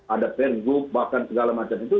ada pergub bahkan segala macam itu